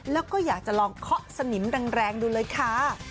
แล้วก็อยากจะลองเคาะสนิมแรงดูเลยค่ะ